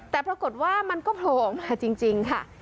แต่ปรากฏว่ามันก็โผล่ออกมาจริงค่ะ